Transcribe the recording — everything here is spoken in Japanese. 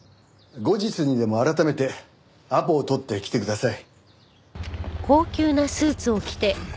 後日にでも改めてアポを取って来てください。